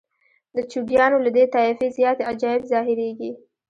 د جوګیانو له دې طایفې زیاتې عجایب ظاهریږي.